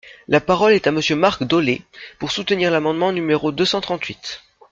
La parole est à Monsieur Marc Dolez, pour soutenir l’amendement numéro deux cent trente-huit.